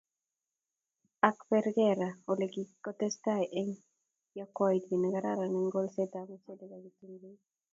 Ak perkera ole kikotestai eng yakwaiyet nekararan eng kolsetab mchelek ak kitunguik